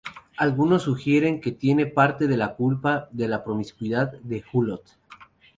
Algunos sugieren que tiene parte de la culpa de la promiscuidad de Hulot.